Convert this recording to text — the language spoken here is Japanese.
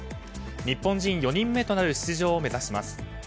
日本人４人目となる出場を目指します。